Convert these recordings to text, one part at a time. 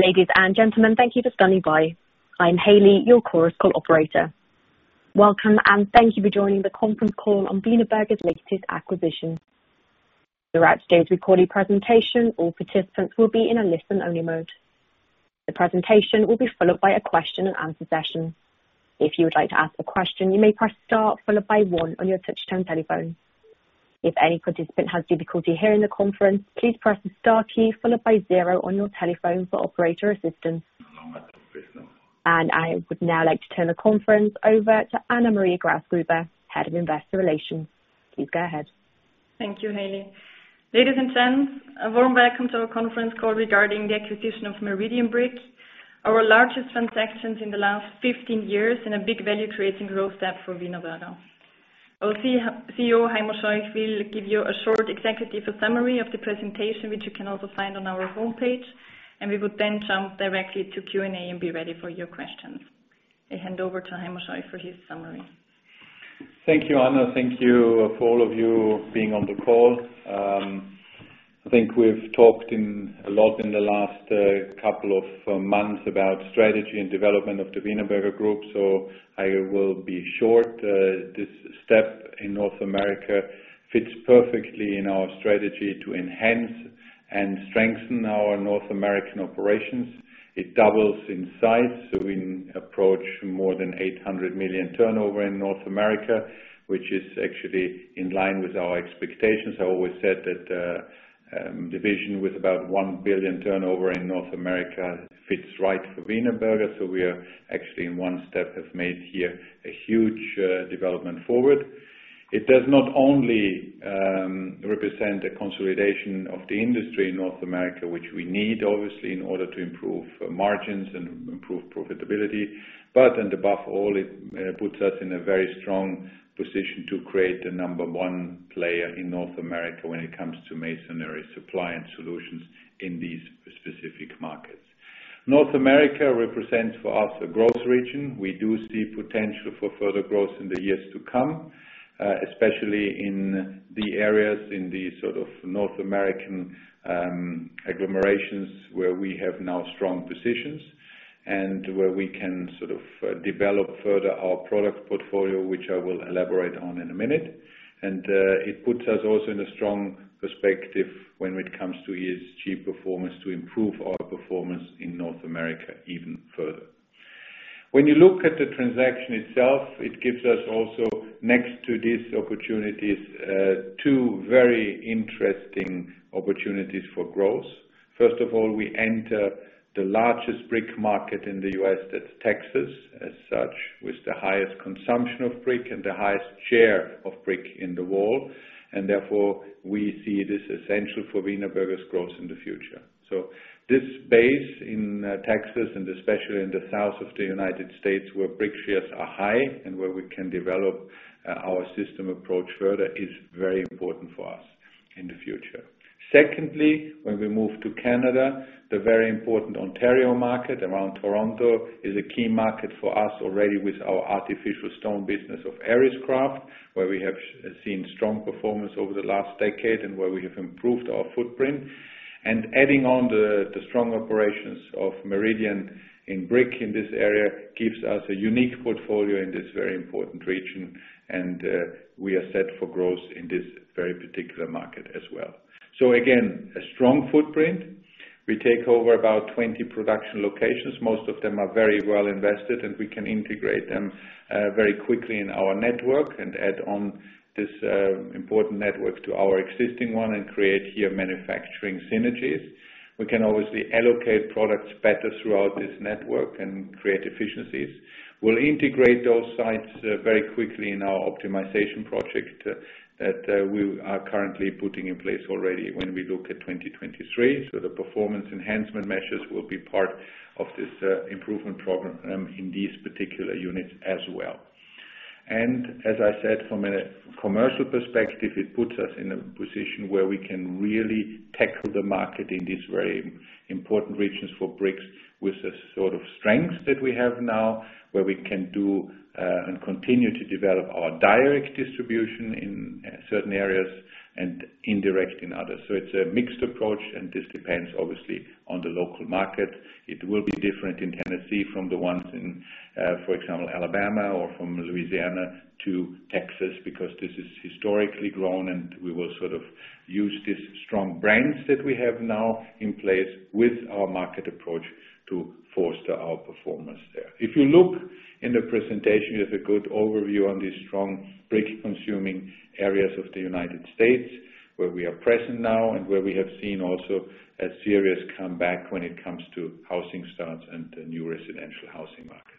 Ladies and gentlemen, thank you for standing by. I'm Hailey, your Chorus Call operator. Welcome, and thank you for joining the conference call on Wienerberger's latest acquisition. Throughout today's recorded presentation, all participants will be in a listen-only mode. The presentation will be followed by a question and answer session. If you would like to ask a question, you may press star followed by one on your touchtone telephone. If any participant has difficulty hearing the conference, please press the star key followed by zero on your telephone for operator assistance. I would now like to turn the conference over to Anna Maria Grausgruber, Head of Investor Relations. Please go ahead. Thank you, Hailey. Ladies and gents, a warm welcome to our conference call regarding the acquisition of Meridian Brick, our largest transactions in the last 15 years, and a big value-creating growth step for Wienerberger. Our CEO, Heimo Scheuch, will give you a short executive summary of the presentation, which you can also find on our homepage, and we would then jump directly to Q&A and be ready for your questions. I hand over to Heimo Scheuch for his summary. Thank you, Anna. Thank you for all of you being on the call. I think we've talked a lot in the last couple of months about strategy and development of the Wienerberger Group, so I will be short. This step in North America fits perfectly in our strategy to enhance and strengthen our North American operations. It doubles in size, so we approach more than $800 million turnover in North America, which is actually in line with our expectations. I always said that a division with about $1 billion turnover in North America fits right for Wienerberger. We are actually in one step, have made here a huge development forward. It does not only represent a consolidation of the industry in North America, which we need, obviously, in order to improve margins and improve profitability. And above all, it puts us in a very strong position to create the number one player in North America when it comes to masonry supply and solutions in these specific markets. North America represents for us a growth region. We do see potential for further growth in the years to come, especially in the areas in these sort of North American agglomerations where we have now strong positions and where we can sort of develop further our product portfolio, which I will elaborate on in a minute. It puts us also in a strong perspective when it comes to ESG performance to improve our performance in North America even further. When you look at the transaction itself, it gives us also, next to these opportunities, two very interesting opportunities for growth. First of all, we enter the largest brick market in the U.S. That's Texas, as such, with the highest consumption of brick and the highest share of brick in the wall. Therefore, we see this essential for Wienerberger's growth in the future. This base in Texas, and especially in the South of the U.S., where brick shares are high and where we can develop our system approach further, is very important for us in the future. Secondly, when we move to Canada, the very important Ontario market around Toronto is a key market for us already with our artificial stone business of Arriscraft, where we have seen strong performance over the last decade and where we have improved our footprint. Adding on the strong operations of Meridian in brick in this area gives us a unique portfolio in this very important region, and we are set for growth in this very particular market as well. Again, a strong footprint. We take over about 20 production locations. Most of them are very well invested, and we can integrate them very quickly in our network and add on this important network to our existing one and create here manufacturing synergies. We can obviously allocate products better throughout this network and create efficiencies. We'll integrate those sites very quickly in our optimization project that we are currently putting in place already when we look at 2023. The performance enhancement measures will be part of this improvement program in these particular units as well. As I said, from a commercial perspective, it puts us in a position where we can really tackle the market in these very important regions for bricks with the sort of strengths that we have now, where we can do and continue to develop our direct distribution in certain areas and indirect in others. It's a mixed approach, and this depends, obviously, on the local market. It will be different in Tennessee from the ones in, for example, Alabama or from Louisiana to Texas, because this is historically grown, and we will sort of use these strong brands that we have now in place with our market approach to foster our performance there. If you look in the presentation, there's a good overview on these strong brick-consuming areas of the United States where we are present now and where we have seen also a serious comeback when it comes to housing starts and the new residential housing market.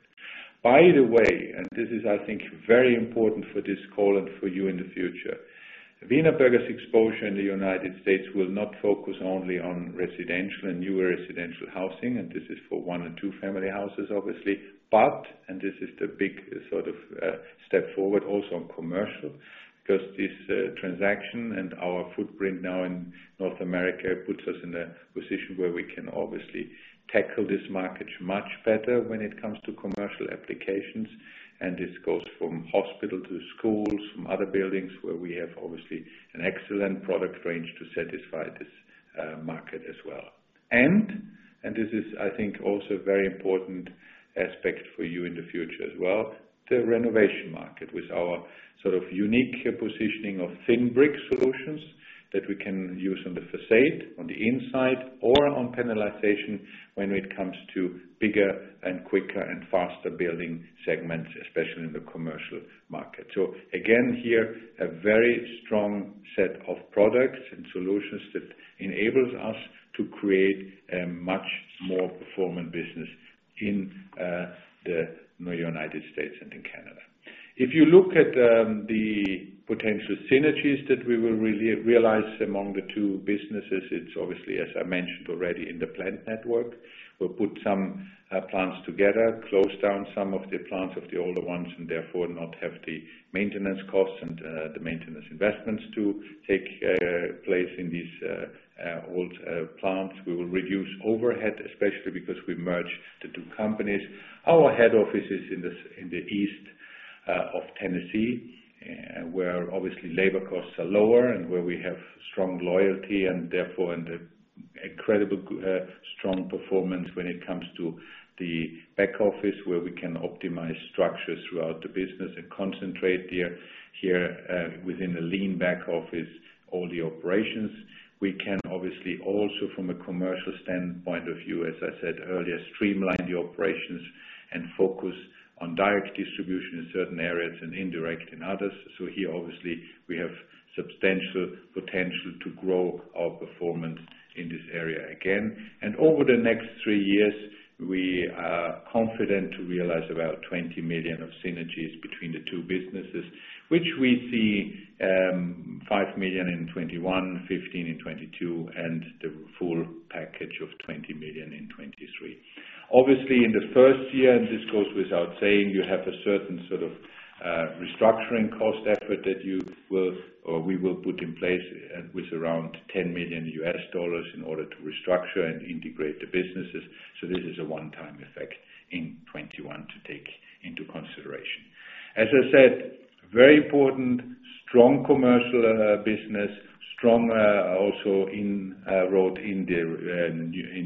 By the way, this is, I think, very important for this call and for you in the future. Wienerberger's exposure in the United States will not focus only on residential and newer residential housing, and this is for one and two family houses, obviously. This is the big step forward also on commercial, because this transaction and our footprint now in North America puts us in a position where we can obviously tackle this market much better when it comes to commercial applications. This goes from hospital to schools, from other buildings where we have obviously an excellent product range to satisfy this market as well. This is, I think, also a very important aspect for you in the future as well, the renovation market with our unique positioning of thin brick solutions that we can use on the facade, on the inside, or on panelization when it comes to bigger and quicker and faster building segments, especially in the commercial market. Again, here, a very strong set of products and solutions that enables us to create a much more performant business in the U.S. and in Canada. If you look at the potential synergies that we will realize among the two businesses, it's obviously, as I mentioned already, in the plant network. We'll put some plants together, close down some of the plants of the older ones, and therefore not have the maintenance costs and the maintenance investments to take place in these old plants. We will reduce overhead, especially because we merged the two companies. Our head office is in the east of Tennessee, where obviously labor costs are lower and where we have strong loyalty and therefore an incredible strong performance when it comes to the back office, where we can optimize structures throughout the business and concentrate here within the lean back office, all the operations. We can obviously also, from a commercial standpoint of view, as I said earlier, streamline the operations and focus on direct distribution in certain areas and indirect in others. Here, obviously, we have substantial potential to grow our performance in this area again. Over the next three years, we are confident to realize about $20 million of synergies between the two businesses, which we see $5 million in 2021, $15 million in 2022, and the full package of $20 million in 2023. Obviously, in the first year, and this goes without saying, you have a certain sort of restructuring cost effort that you will, or we will put in place with around $10 million in order to restructure and integrate the businesses. This is a one-time effect in 2021 to take into consideration. As I said, very important, strong commercial business, strong also inroads in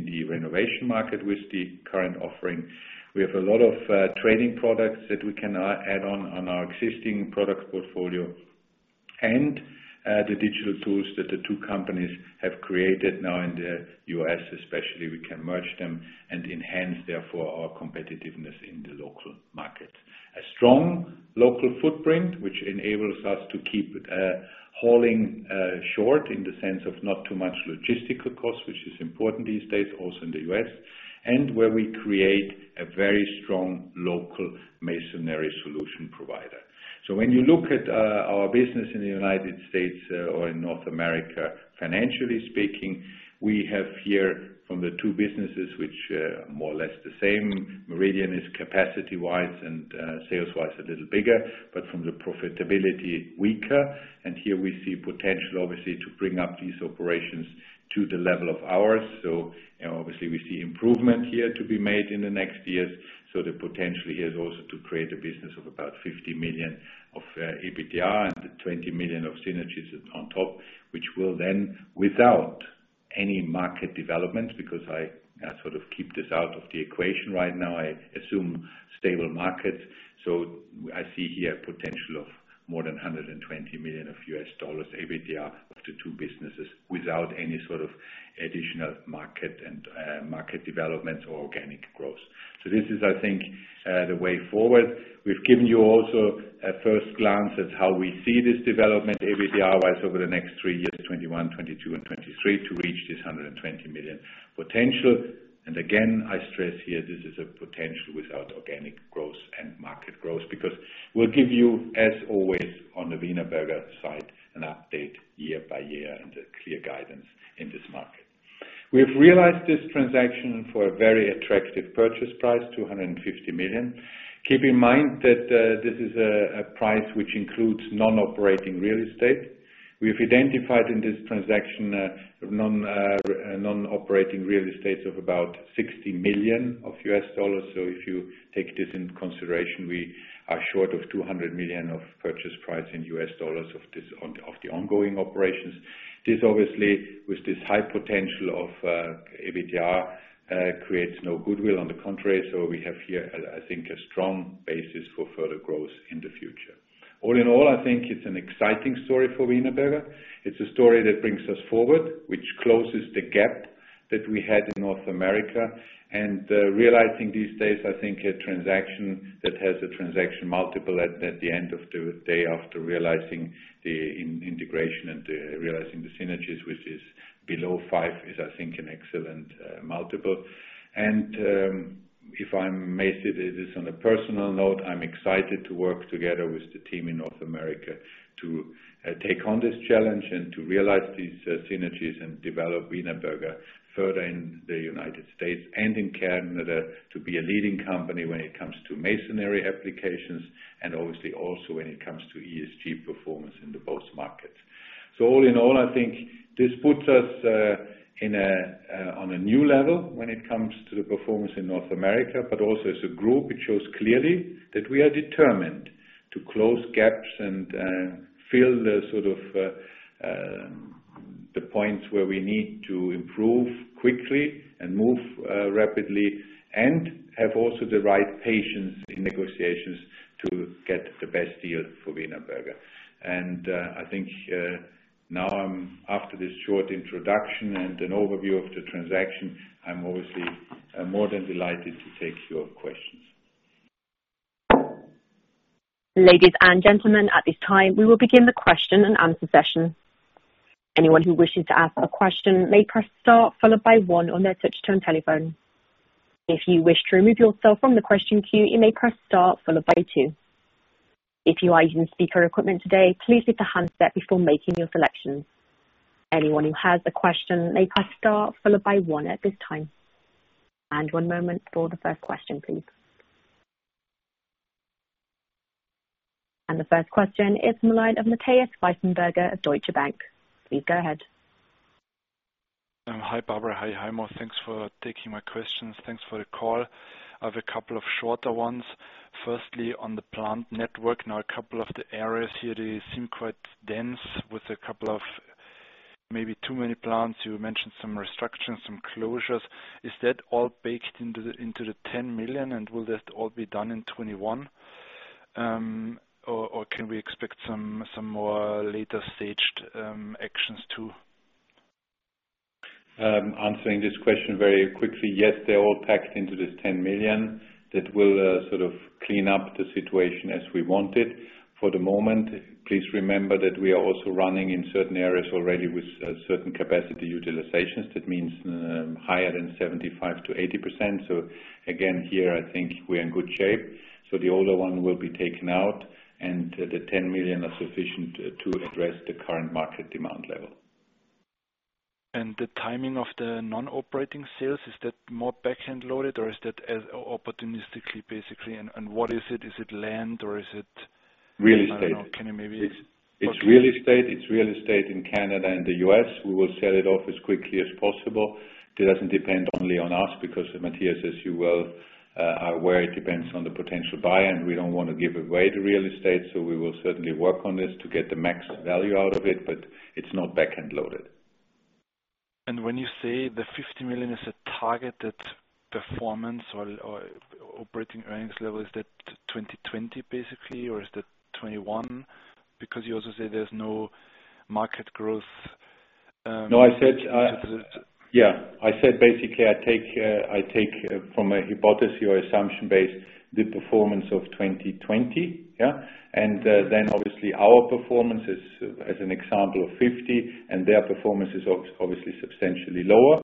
the renovation market with the current offering. We have a lot of trading products that we can add on our existing product portfolio and the digital tools that the two companies have created now in the U.S. especially, we can merge them and enhance therefore our competitiveness in the local market. A strong local footprint, which enables us to keep hauling short in the sense of not too much logistical cost, which is important these days, also in the U.S., and where we create a very strong local masonry solution provider. When you look at our business in the United States or in North America, financially speaking, we have here from the two businesses, which are more or less the same. Meridian is capacity-wise and sales-wise a little bigger, but from the profitability weaker. Here we see potential obviously to bring up these operations to the level of ours. Obviously we see improvement here to be made in the next years. The potential here is also to create a business of about $50 million of EBITDA and $20 million of synergies on top, which will then, without any market development, because I sort of keep this out of the equation right now, I assume stable markets. I see here potential of more than $120 million EBITDA of the two businesses without any sort of additional market and market development or organic growth. This is, I think, the way forward. We've given you also a first glance at how we see this development EBITDA-wise over the next three years, 2021, 2022, and 2023, to reach this $120 million potential. Again, I stress here, this is a potential without organic growth and market growth, because we'll give you, as always, on the Wienerberger side, an update year by year and a clear guidance in this market. We've realized this transaction for a very attractive purchase price, $250 million. Keep in mind that this is a price which includes non-operating real estate. We've identified in this transaction a non-operating real estate of about $60 million. If you take this into consideration, we are short of $200 million of purchase price in US dollars of the ongoing operations. This obviously, with this high potential of EBITDA, creates no goodwill on the contrary. We have here, I think, a strong basis for further growth in the future. All in all, I think it's an exciting story for Wienerberger. It's a story that brings us forward, which closes the gap that we had in North America. Realizing these days, I think a transaction that has a transaction multiple at the end of the day after realizing the integration and realizing the synergies, which is below five, is I think an excellent multiple. If I may say this on a personal note, I'm excited to work together with the team in North America to take on this challenge and to realize these synergies and develop Wienerberger further in the U.S. and in Canada to be a leading company when it comes to masonry applications, and obviously also when it comes to ESG performance in the both markets. All in all, I think this puts us on a new level when it comes to the performance in North America, but also as a group, it shows clearly that we are determined to close gaps and fill the points where we need to improve quickly and move rapidly, and have also the right patience in negotiations to get the best deal for Wienerberger. I think now after this short introduction and an overview of the transaction, I'm obviously more than delighted to take your questions. Ladies and gentlemen, at this time, we will begin the question and answer session. Anyone who wish to ask a question may press star followed by one on your touchtone telephone. If you wish to withdraw your question from queue please press star followed by two. One moment for the first question, please. The first question is the line of Matthias Pfeifenberger of Deutsche Bank. Please go ahead. Hi, Anna. Hi, Heimo. Thanks for taking my questions. Thanks for the call. I have a couple of shorter ones. Firstly, on the plant network. Now, a couple of the areas here, they seem quite dense with a couple of maybe too many plants. You mentioned some restructuring, some closures. Is that all baked into the $10 million, and will that all be done in 2021? Can we expect some more later-staged actions too? Answering this question very quickly. Yes, they're all packed into this $10 million. That will sort of clean up the situation as we want it. For the moment, please remember that we are also running in certain areas already with certain capacity utilizations. That means higher than 75%-80%. Again, here, I think we're in good shape. The older one will be taken out, and the $10 million are sufficient to address the current market demand level. The timing of the non-operating sales, is that more back-end loaded, or is that opportunistically, basically? What is it? Is it land, or is it? Real estate. I don't know. Okay. It's real estate. It's real estate in Canada and the U.S. We will sell it off as quickly as possible. It doesn't depend only on us because, Matthias, as you well are aware, it depends on the potential buy-in. We don't want to give away the real estate. We will certainly work on this to get the max value out of it. It's not back-end loaded. When you say the $50 million is a targeted performance or operating earnings level, is that 2020 basically, or is that 2021? Because you also say there's no market growth. No. Yeah. I said, basically, I take from a hypothesis or assumption base the performance of 2020. Yeah. Obviously our performance is, as an example, of 50, and their performance is obviously substantially lower.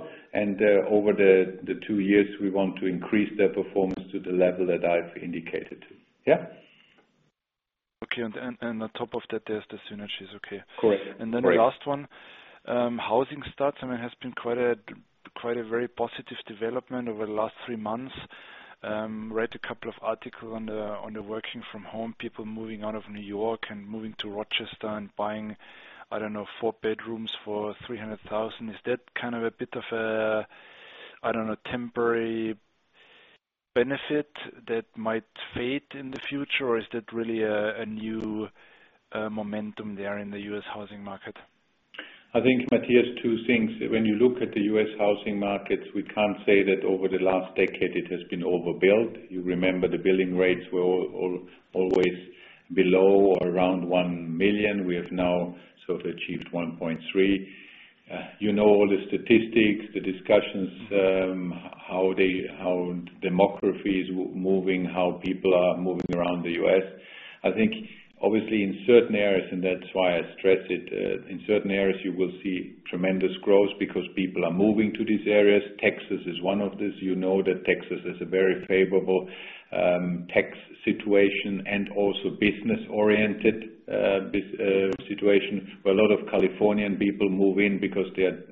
Over the two years, we want to increase their performance to the level that I've indicated. Yeah. Okay. On top of that, there's the synergies. Okay. Of course. Right. The last one. Housing starts, I mean, has been quite a very positive development over the last three months. Read a couple of articles on the working from home, people moving out of New York and moving to Rochester and buying, I don't know, four bedrooms for $300,000. Is that a bit of a, I don't know, temporary benefit that might fade in the future, or is that really a new momentum there in the U.S. housing market? I think, Matthias, two things. When you look at the U.S. housing markets, we can't say that over the last decade it has been overbuilt. You remember the building rates were always below around $1 million. We have now sort of achieved $1.3 million. You know all the statistics, the discussions, how demography is moving, how people are moving around the U.S. I think, obviously, in certain areas, and that's why I stress it, in certain areas, you will see tremendous growth because people are moving to these areas. Texas is one of these. You know that Texas is a very favorable tax situation and also business-oriented situation, where a lot of Californian people move in because they're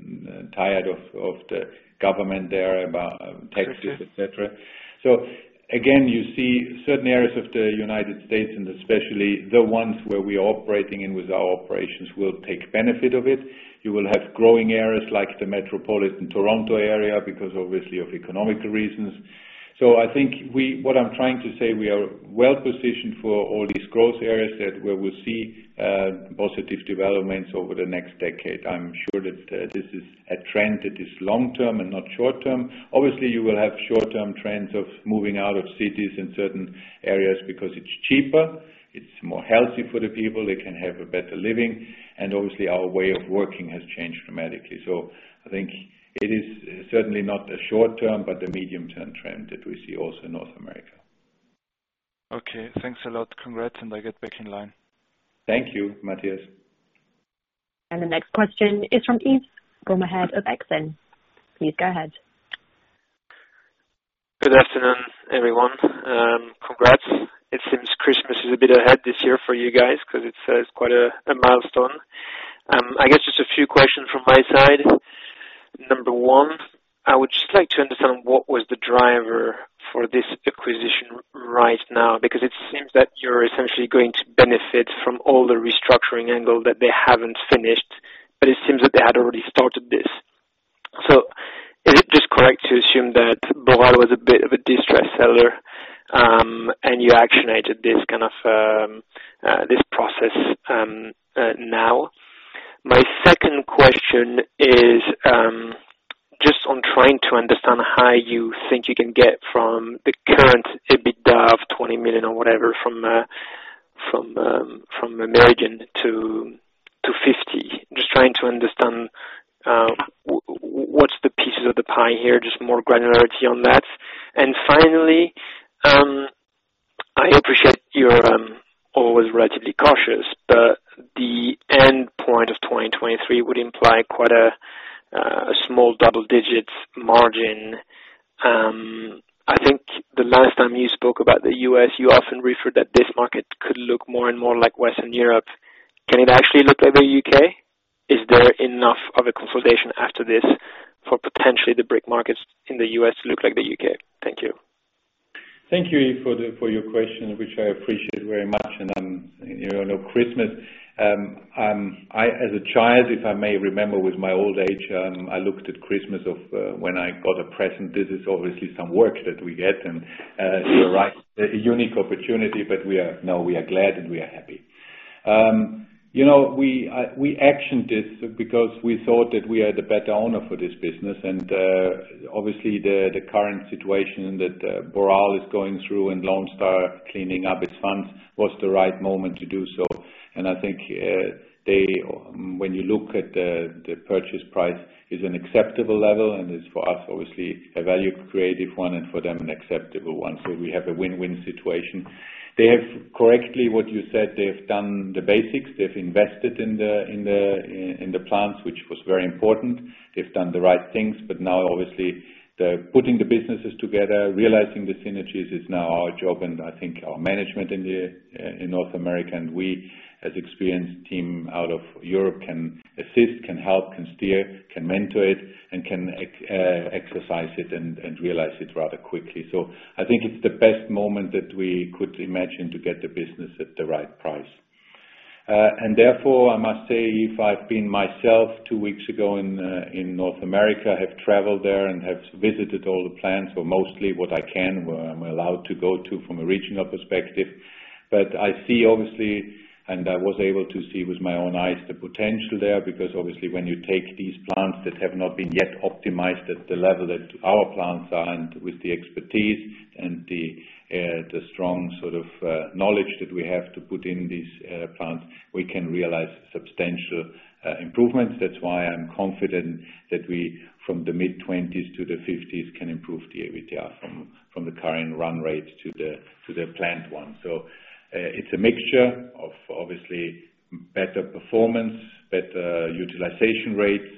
tired of the government there about taxes, et cetera. Again, you see certain areas of the U.S., and especially the ones where we are operating in with our operations, will take benefit of it. You will have growing areas like the metropolitan Toronto area because obviously of economic reasons. I think what I'm trying to say, we are well-positioned for all these growth areas where we'll see positive developments over the next decade. I'm sure that this is a trend that is long-term and not short-term. Obviously, you will have short-term trends of moving out of cities in certain areas because it's cheaper, it's more healthy for the people, they can have a better living, and obviously our way of working has changed dramatically. I think it is certainly not the short-term, but the medium-term trend that we see also in North America. Okay, thanks a lot. Congrats. I get back in line. Thank you, Matthias. The next question is from Yves Bromehead of Exane. Please go ahead. Good afternoon, everyone. Congrats. It seems Christmas is a bit ahead this year for you guys, because it's quite a milestone. I guess just a few questions from my side. Number one, I would just like to understand what was the driver for this acquisition right now? It seems that you're essentially going to benefit from all the restructuring angle that they haven't finished, but it seems that they had already started this. Is it just correct to assume that Boral was a bit of a distressed seller and you actionated this process now? My second question is just on trying to understand how you think you can get from the current EBITDA of $20 million or whatever from Meridian to $50 million. Just trying to understand what's the pieces of the pie here, just more granularity on that. Finally, I appreciate you're always relatively cautious, but the end point of 2023 would imply quite a small double-digit margin. I think the last time you spoke about the U.S., you often referred that this market could look more and more like Western Europe. Can it actually look like the U.K.? Is there enough of a consolidation after this for potentially the brick markets in the U.S. to look like the U.K.? Thank you. Thank you, Yves, for your question, which I appreciate very much. You all know Christmas. I, as a child, if I may remember with my old age, I looked at Christmas of when I got a present. This is obviously some work that we get and you're right, a unique opportunity, but we are glad and we are happy. We actioned this because we thought that we are the better owner for this business. Obviously the current situation that Boral is going through and Lone Star cleaning up its funds was the right moment to do so. I think when you look at the purchase price is an acceptable level, and is for us obviously a value creative one and for them an acceptable one. We have a win-win situation. They have correctly what you said, they've done the basics. They've invested in the plants, which was very important. They've done the right things, but now obviously, they're putting the businesses together, realizing the synergies is now our job and I think our management in North America, and we as experienced team out of Europe can assist, can help, can steer, can mentor it, and can exercise it and realize it rather quickly. I think it's the best moment that we could imagine to get the business at the right price. Therefore, I must say, Yves, I've been myself two weeks ago in North America, have traveled there and have visited all the plants or mostly what I can, where I'm allowed to go to from a regional perspective. I see obviously, and I was able to see with my own eyes the potential there, because obviously when you take these plants that have not been yet optimized at the level that our plants are and with the expertise and the strong sort of knowledge that we have to put in these plants, we can realize substantial improvements. That's why I'm confident that we, from the mid-20s to the 50s, can improve the EBITDA from the current run rate to the planned one. It's a mixture of obviously better performance, better utilization rates,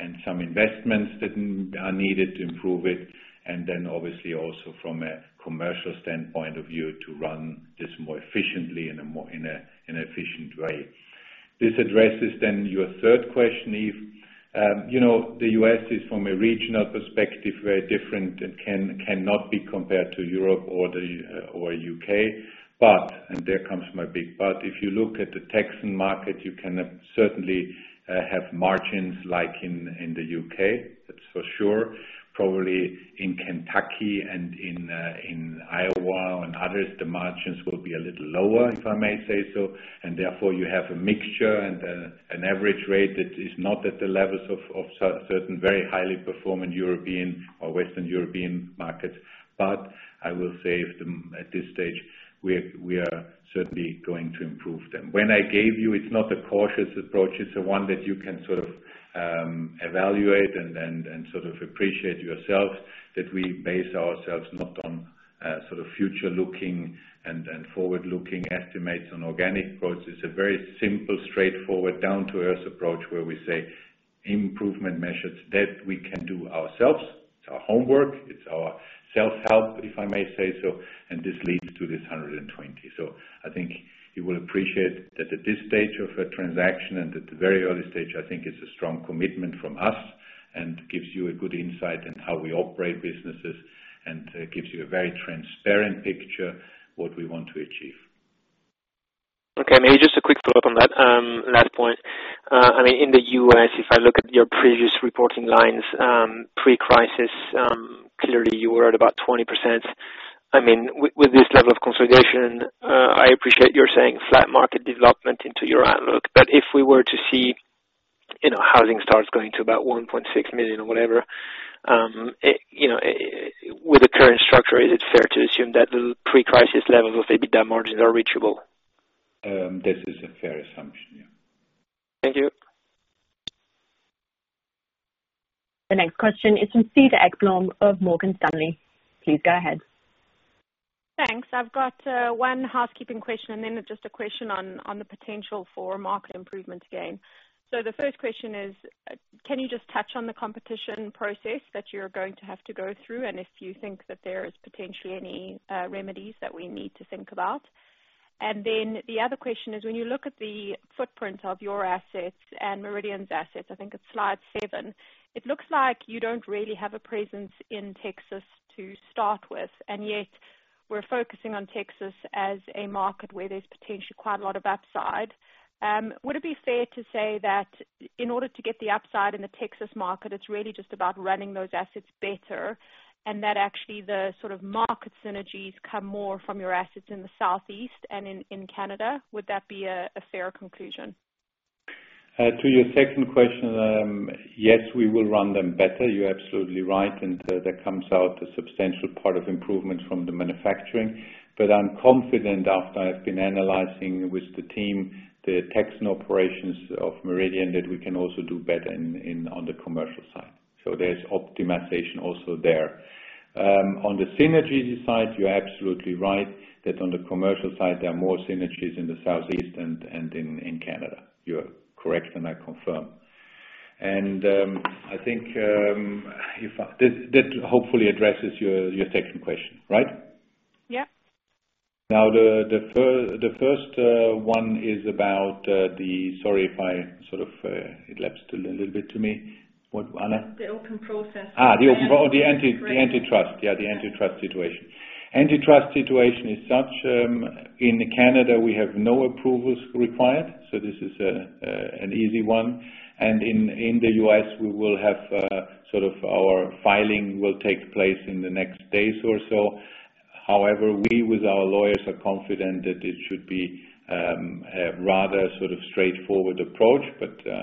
and some investments that are needed to improve it, and then obviously also from a commercial standpoint of view to run this more efficiently in an efficient way. This addresses then your third question, Yves. The U.S. is from a regional perspective very different and cannot be compared to Europe or U.K. There comes my big but, if you look at the Texan market, you can certainly have margins like in the U.K., that's for sure. Probably in Kentucky and in Iowa and others, the margins will be a little lower, if I may say so, and therefore you have a mixture and an average rate that is not at the levels of certain very highly performing European or Western European markets. I will say at this stage, we are certainly going to improve them. When I gave you, it's not a cautious approach, it's a one that you can sort of evaluate and sort of appreciate yourself that we base ourselves not on sort of future looking and forward-looking estimates on organic growth. It's a very simple, straightforward, down-to-earth approach where we say improvement measures that we can do ourselves. It's our homework, it's our self-help, if I may say so. This leads to this $120 million. I think you will appreciate that at this stage of a transaction and at the very early stage, I think it's a strong commitment from us and gives you a good insight in how we operate businesses and gives you a very transparent picture what we want to achieve. Okay. Maybe just a quick follow-up on that last point. In the U.S., if I look at your previous reporting lines, pre-crisis, clearly you were at about 20%. With this level of consolidation, I appreciate you're saying flat market development into your outlook, if we were to see housing starts going to about $1.6 million or whatever, with the current structure, is it fair to assume that the pre-crisis levels of EBITDA margins are reachable? This is a fair assumption, yeah. Thank you. The next question is from Cedar Ekblom of Morgan Stanley. Please go ahead. Thanks. I've got one housekeeping question, and then just a question on the potential for market improvement gain. The first question is, can you just touch on the competition process that you're going to have to go through, and if you think that there is potentially any remedies that we need to think about? The other question is, when you look at the footprint of your assets and Meridian's assets, I think it's slide seven, it looks like you don't really have a presence in Texas to start with, and yet we're focusing on Texas as a market where there's potentially quite a lot of upside. Would it be fair to say that in order to get the upside in the Texas market, it's really just about running those assets better and that actually the sort of market synergies come more from your assets in the Southeast and in Canada? Would that be a fair conclusion? To your second question, yes, we will run them better. You're absolutely right, and that comes out a substantial part of improvements from the manufacturing. I'm confident after I've been analyzing with the team the Texan operations of Meridian, that we can also do better on the commercial side. There's optimization also there. On the synergies side, you're absolutely right that on the commercial side, there are more synergies in the Southeast and in Canada. You are correct, and I confirm. I think that hopefully addresses your second question, right? Yeah. Now, the first one is about Sorry if I sort of it lapsed a little bit to me. What, Anna? The open process. Yeah, the antitrust situation. Antitrust situation is such in Canada, we have no approvals required. This is an easy one. In the U.S., we will have our filing will take place in the next days or so. However, we with our lawyers, are confident that it should be a rather sort of straightforward approach.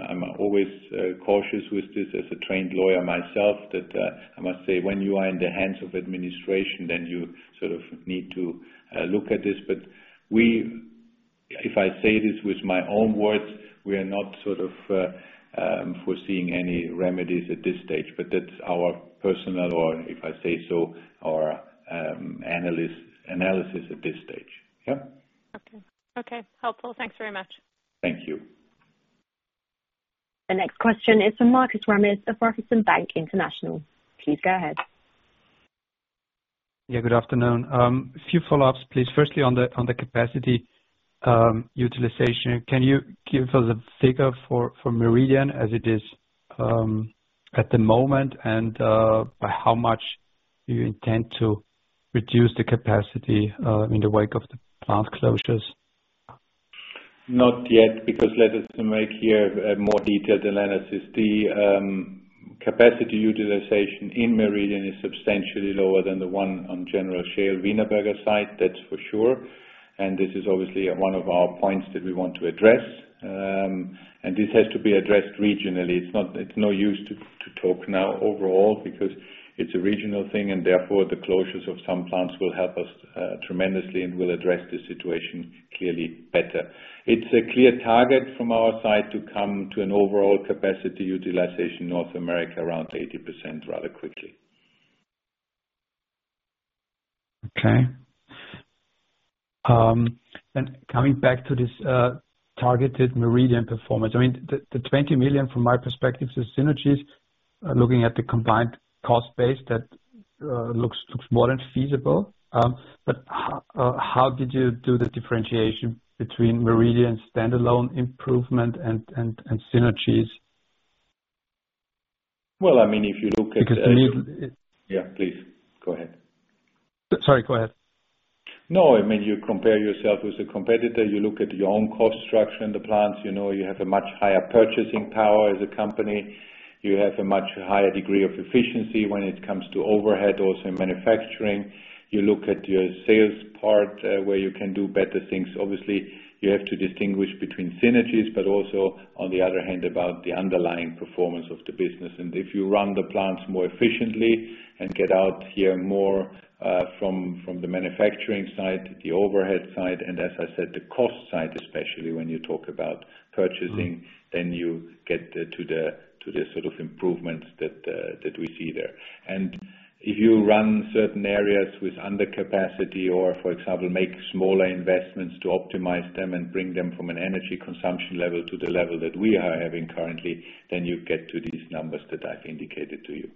I'm always cautious with this as a trained lawyer myself that I must say, when you are in the hands of administration, you sort of need to look at this. If I say this with my own words, we are not sort of foreseeing any remedies at this stage. That's our personal or if I say so, our analysis at this stage. Yeah? Okay. Helpful. Thanks very much. Thank you. The next question is from Markus Remis of Raiffeisen Bank International. Please go ahead. Yeah, good afternoon. A few follow-ups, please. Firstly, on the capacity utilization, can you give us a figure for Meridian as it is at the moment, and by how much do you intend to reduce the capacity in the wake of the plant closures? Not yet, because let us make here a more detailed analysis. The capacity utilization in Meridian is substantially lower than the one on General Shale Wienerberger site, that's for sure, and this is obviously one of our points that we want to address. This has to be addressed regionally. It's no use to talk now overall because it's a regional thing, and therefore the closures of some plants will help us tremendously and will address the situation clearly better. It's a clear target from our side to come to an overall capacity utilization North America around 80% rather quickly. Okay. Coming back to this targeted Meridian performance. The $20 million, from my perspective, is synergies. Looking at the combined cost base, that looks more than feasible. How did you do the differentiation between Meridian standalone improvement and synergies? Well, I mean. Because you need- Yeah, please go ahead. Sorry, go ahead. No, I mean, you compare yourself with a competitor. You look at your own cost structure in the plants. You know you have a much higher purchasing power as a company. You have a much higher degree of efficiency when it comes to overhead, also in manufacturing. You look at your sales part, where you can do better things. Obviously, you have to distinguish between synergies, but also, on the other hand, about the underlying performance of the business. If you run the plants more efficiently and get out here more from the manufacturing side, the overhead side, and as I said, the cost side, especially when you talk about purchasing, then you get to the sort of improvements that we see there. If you run certain areas with under capacity or, for example, make smaller investments to optimize them and bring them from an energy consumption level to the level that we are having currently, then you get to these numbers that I've indicated to you.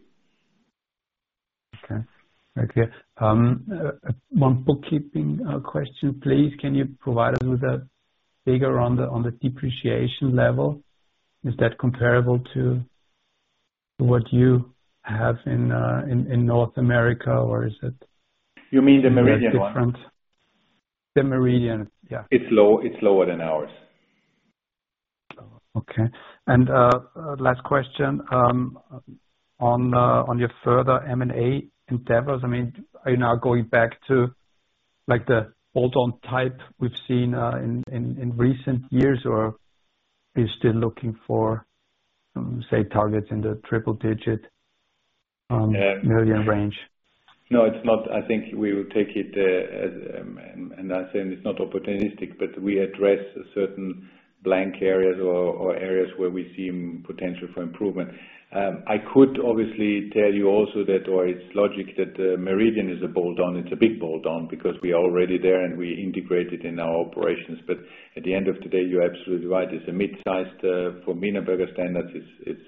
Okay. One bookkeeping question, please. Can you provide us with a figure on the depreciation level? Is that comparable to what you have in North America, or is it- You mean the Meridian one? The Meridian, yeah. It's lower than ours. Okay. Last question. On your further M&A endeavors, are you now going back to the add-on type we've seen in recent years, or are you still looking for, say, targets in the triple digit. On Meridian range. No, it's not. I think we will take it, and I said it's not opportunistic, but we address certain blank areas or areas where we see potential for improvement. I could obviously tell you also that or it's logical that Meridian is a bolt-on. It's a big bolt-on because we are already there and we integrate it in our operations. At the end of the day, you're absolutely right. For Wienerberger standards, it's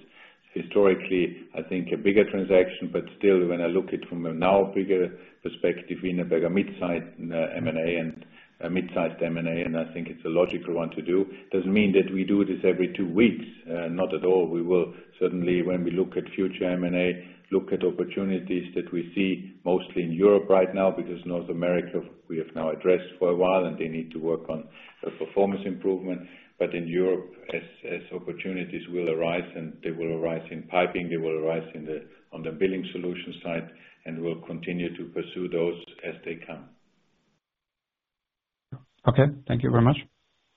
historically, I think, a bigger transaction. Still, when I look it from a now bigger perspective, Wienerberger mid-sized M&A and I think it's a logical one to do. Doesn't mean that we do this every two weeks. Not at all. We will certainly, when we look at future M&A, look at opportunities that we see mostly in Europe right now because North America, we have now addressed for a while, and they need to work on performance improvement. In Europe, as opportunities will arise, and they will arise in piping, they will arise on the building solution side, and we'll continue to pursue those as they come. Okay. Thank you very much.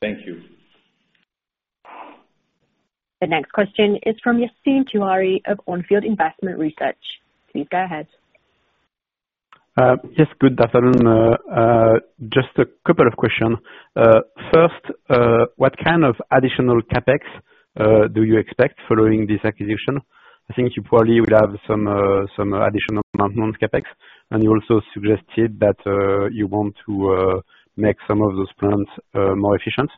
Thank you. The next question is from Yassine Touahri of On Field Investment Research. Please go ahead. Yes. Good afternoon. Just a couple of questions. First, what kind of additional CapEx do you expect following this acquisition? I think you probably will have some additional maintenance CapEx, and you also suggested that you want to make some of those plants more efficient.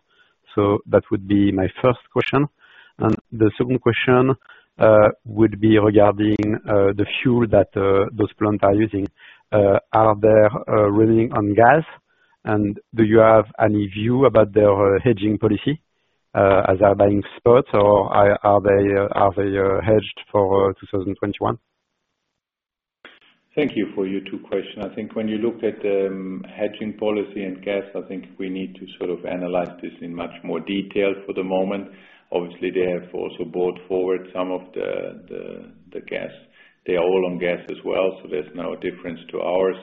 That would be my first question. The second question would be regarding the fuel that those plants are using. Are they running on gas? Do you have any view about their hedging policy? As are buying spots or are they hedged for 2021? Thank you for your two question. I think when you looked at hedging policy and gas, I think we need to sort of analyze this in much more detail for the moment. Obviously, they have also bought forward some of the gas. They are all on gas as well, so there's no difference to ours.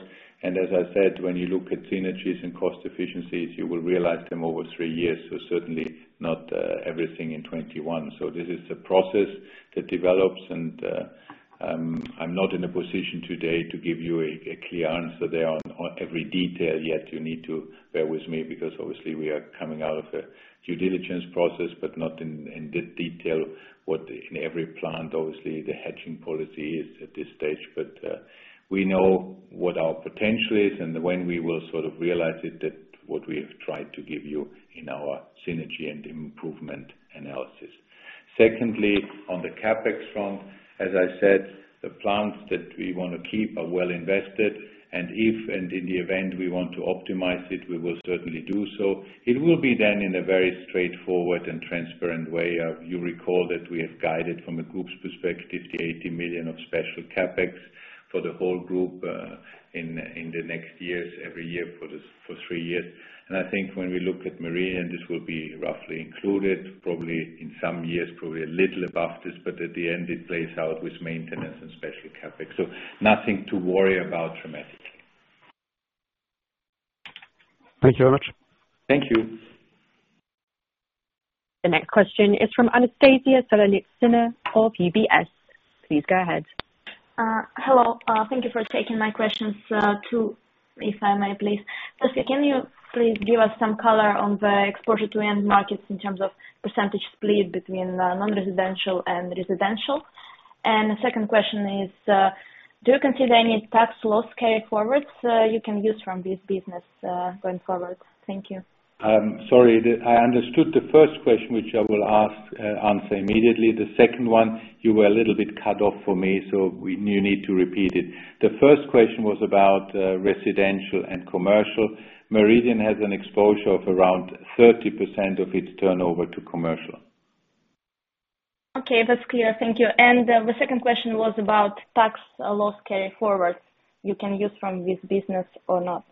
As I said, when you look at synergies and cost efficiencies, you will realize them over three years, so certainly not everything in 2021. This is a process that develops, and I'm not in a position today to give you a clear answer there on every detail yet. You need to bear with me because obviously we are coming out of a due diligence process, but not in the detail what in every plant, obviously, the hedging policy is at this stage. We know what our potential is and when we will sort of realize it that what we have tried to give you in our synergy and improvement analysis. Secondly, on the CapEx front, as I said, the plants that we want to keep are well invested, and if and in the event we want to optimize it, we will certainly do so. It will be then in a very straightforward and transparent way. You recall that we have guided from a group's perspective the $80 million of special CapEx for the whole group in the next years, every year for three years. I think when we look at Meridian, this will be roughly included, probably in some years, probably a little above this, but at the end it plays out with maintenance and special CapEx. Nothing to worry about dramatically. Thank you very much. Thank you. The next question is from Anastasia Solonitsyna of UBS. Please go ahead. Hello. Thank you for taking my questions, too, if I may please. First, can you please give us some color on the exposure to end markets in terms of percentage split between non-residential and residential? The second question is, do you consider any tax loss carryforwards you can use from this business going forward? Thank you. Sorry. I understood the first question, which I will answer immediately. The second one, you were a little bit cut off for me, so you need to repeat it. The first question was about residential and commercial. Meridian has an exposure of around 30% of its turnover to commercial. Okay, that's clear. Thank you. The second question was about tax loss carryforward you can use from this business or not.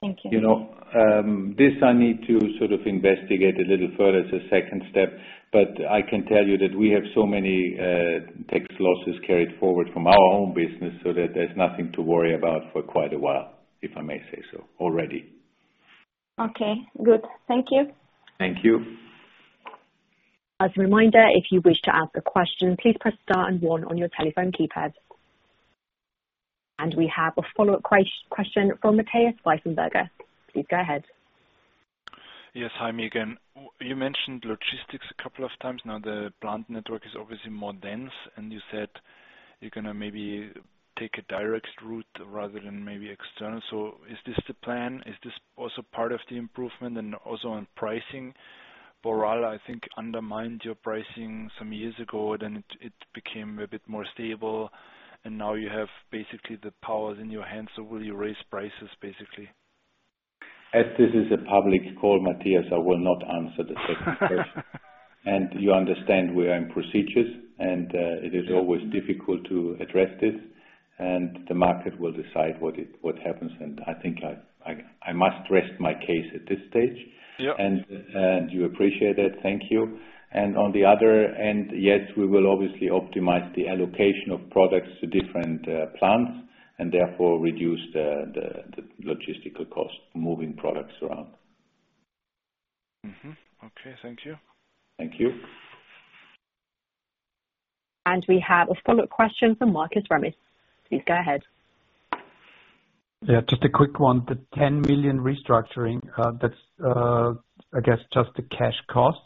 Thank you. This I need to sort of investigate a little further as a second step, but I can tell you that we have so many tax losses carried forward from our own business so that there's nothing to worry about for quite a while, if I may say so already. Okay, good. Thank you. Thank you. As a reminder, if you wish to ask a question, please press star and one on your telephone keypad. We have a follow-up question from Matthias Pfeifenberger. Please go ahead. Yes. Hi, again. You mentioned logistics a couple of times now. The plant network is obviously more dense, and you said you're going to maybe take a direct route rather than maybe external. Is this the plan? Is this also part of the improvement and also on pricing? Boral, I think, undermined your pricing some years ago, then it became a bit more stable, and now you have basically the powers in your hands. Will you raise prices, basically? As this is a public call, Matthias, I will not answer the second question. You understand we are in procedures and it is always difficult to address this, and the market will decide what happens. I think I must rest my case at this stage. Yep. You appreciate it. Thank you. On the other end, yes, we will obviously optimize the allocation of products to different plants and therefore reduce the logistical cost of moving products around. Okay. Thank you. Thank you. We have a follow-up question from Markus Remis. Please go ahead. Yeah, just a quick one. The $10 million restructuring, that's I guess just the cash cost.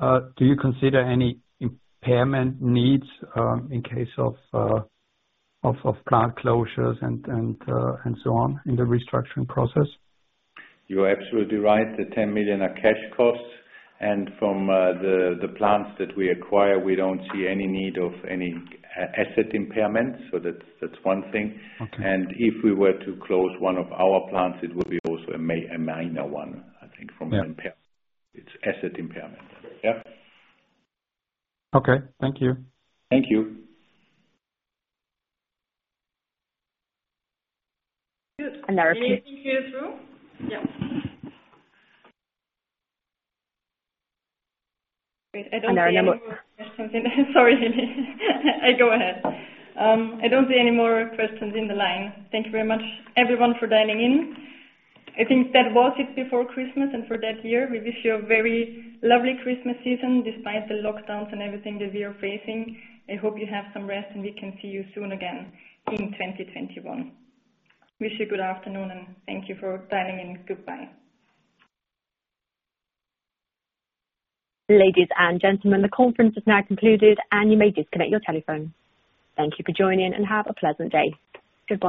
Do you consider any impairment needs in case of plant closures and so on in the restructuring process? You're absolutely right. The $10 million are cash costs. From the plants that we acquire, we don't see any need of any asset impairment. That's one thing. Okay. If we were to close one of our plants, it will be also a minor one, I think, from impairment. Yeah. It's asset impairment. Yeah. Okay. Thank you. Thank you. And there is- Can you hear through? Yeah. Wait, I don't see any more. And now you're- Sorry. Go ahead. I don't see any more questions in the line. Thank you very much, everyone, for dialing in. I think that was it before Christmas and for that year. We wish you a very lovely Christmas season despite the lockdowns and everything that we are facing. I hope you have some rest, and we can see you soon again in 2021. Wish you good afternoon, and thank you for dialing in. Goodbye. Ladies and gentlemen, the conference is now concluded, and you may disconnect your telephone. Thank you for joining, and have a pleasant day. Goodbye